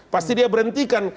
pasti dia berhentikan